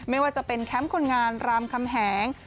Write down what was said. ไม่ว่าจะเป็นแคมป์คนงานรามคำแหง